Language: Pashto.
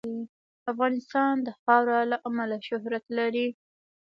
افغانستان د خاوره له امله شهرت لري.